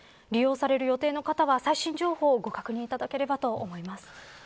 利用される予定の方は最終情報をご確認いただければと思います。